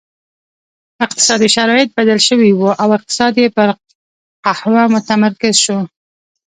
اقتصادي شرایط بدل شوي وو او اقتصاد یې پر قهوه متمرکز شو.